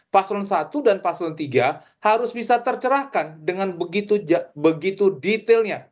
paslon satu dan paslon tiga harus bisa tercerahkan dengan begitu detailnya